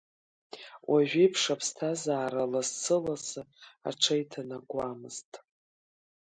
Уажәеиԥш аԥсҭазаара лассы-лассы аҽеиҭанакуамызт.